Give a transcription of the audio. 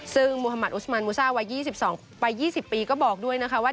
ซึ่งมุธมัติอุสมานมูซ่าวัย๒วัย๒๐ปีก็บอกด้วยนะคะว่า